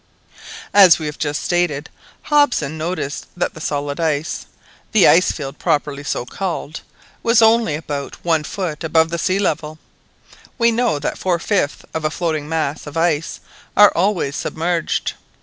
As we have just stated, Hobson noticed that the solid ice, the ice field properly so called, was only about one foot above the sea level! We know that four fifths of a floating mass of ice are always submerged.